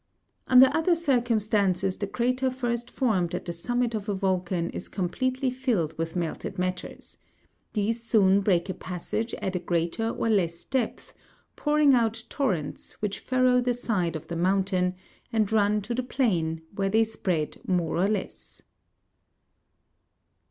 31. Under other circumstances, the crater first formed at the summit of a volcan is completely filled with melted matters ; these soon break a passage at a greater or less depth, pouring out tor rents, which furrow the side of the mountain, and run to the plain, where they spread more or less.